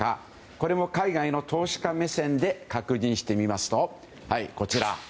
これも海外の投資家目線で確認してみましょう。